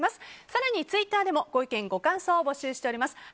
更に、ツイッターでもご意見、ご感想を募集しています。